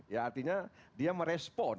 ya artinya dia merespon